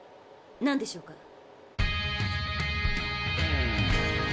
なんでしょうか？